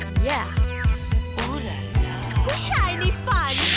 มว้าว